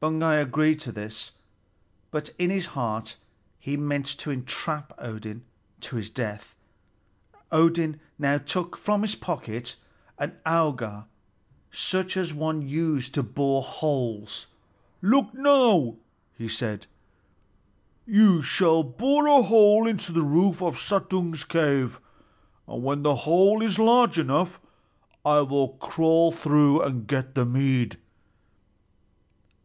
Baugi agreed to this; but in his heart he meant to entrap Odin to his death. Odin now took from his pocket an auger such as one uses to bore holes. "Look, now," he said. "You shall bore a hole into the roof of Suttung's cave, and when the hole is large enough, I will crawl through and get the mead."